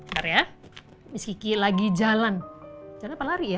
ntar ya miss kiki lagi jalan jalan apa lari ya